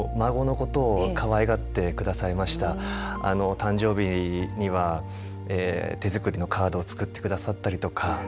誕生日には手作りのカードを作ってくださったりとか。